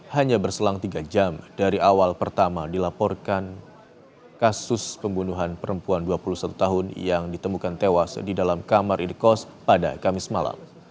hanya berselang tiga jam dari awal pertama dilaporkan kasus pembunuhan perempuan dua puluh satu tahun yang ditemukan tewas di dalam kamar indekos pada kamis malam